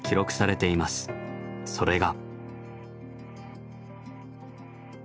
それが。